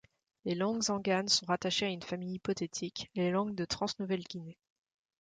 Les langues anganes sont rattachées à une famille hypothétique, les langues de Trans-Nouvelle-Guinée.